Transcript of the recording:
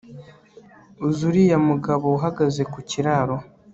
Uzi uriya mugabo uhagaze ku kiraro